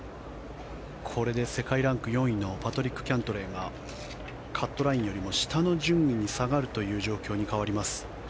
これで世界ランク４位のパトリック・キャントレーがカットラインよりも下の順位に下がる状況に変わります。